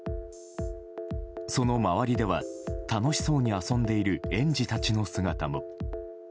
その周りでは楽しそうに遊んでいる園児たちの姿も。